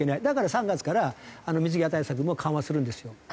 だから３月から水際対策も緩和するんですよ。